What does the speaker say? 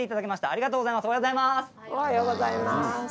おはようございます。